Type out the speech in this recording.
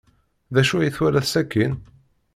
D acu ay twala sakkin?